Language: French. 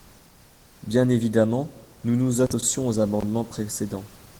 Bien évidemment, nous nous associons aux amendements précédents.